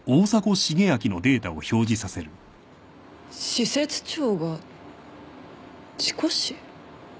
施設長が事故死？